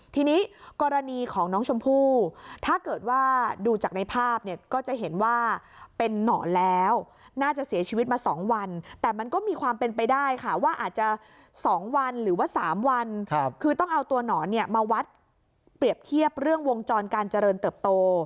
ทีนี้กรณีของน้องชมพู่ถ้าเกิดว่าดูจากในภาพเนี่ยก็จะเห็นว่าเป็นหนอนแล้วน่าจะเสียชีวิตมา๒วันแต่มันก็มีความเป็นไปได้ค่ะว่าอาจจะ๒วันหรือว่า๓วันคือต้องเอาตัวหนอนเนี่ยมาวัดเปรียบเทียบเรื่องวงจรการเจริญเติบโต